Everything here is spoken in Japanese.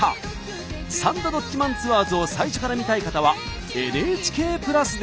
「サンドどっちマンツアーズ」を最初から見たい方はＮＨＫプラスで！